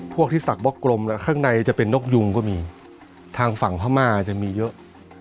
พวกที่ศักดิ์บล็อกกลมแล้วข้างในจะเป็นนกยุงก็มีทางฝั่งพม่าจะมีเยอะ